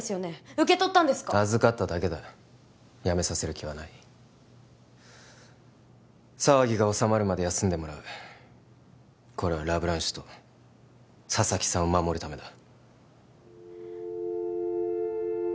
受け取ったんですか預かっただけだ辞めさせる気はない騒ぎが収まるまで休んでもらうこれはラ・ブランシュと佐々木さんを守るためだ